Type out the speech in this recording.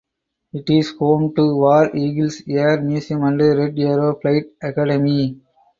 It is home to War Eagles Air Museum and Red Arrow Flight Academy.